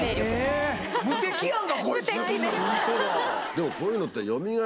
でもこういうのって。